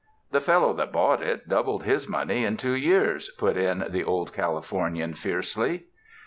''The fellow that bought it, doubled his money in two years," put in the Old Calif ornian fiercely.